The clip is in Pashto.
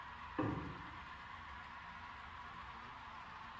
تعلیم نجونو ته د پلان جوړولو وړتیا ورکوي.